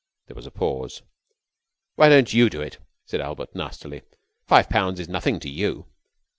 There was a pause. "Why don't you do it." said Albert, nastily. "Five pounds is nothing to you."